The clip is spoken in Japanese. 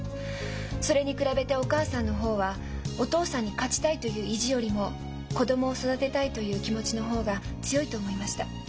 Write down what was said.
それに比べてお母さんの方はお父さんに勝ちたいという意地よりも子供を育てたいという気持ちの方が強いと思いました。